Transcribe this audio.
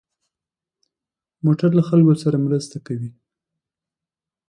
موټر له خلکو سره مرسته کوي.